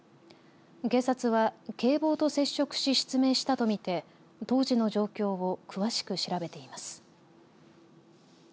警察は警棒と接触し失明したとみて当時の状況を詳しく調べています。